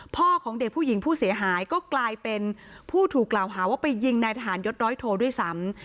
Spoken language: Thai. พ่อของเด็กผู้หญิงผู้เสียหายก็กลายเป็นผู้ถูกกล่าวหาว่าไปยิงนายทหารยศร้อยโทด้วยซ้ำ